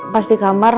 pas di kamar